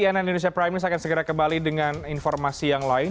dan cnn indonesia prime news akan segera kembali dengan informasi yang lain